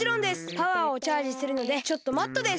パワーをチャージするのでちょっと待っとです！